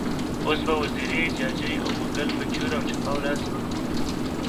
اوس به وزیري، جاجي او منګل په چور او چپاول لاس ونه مومي.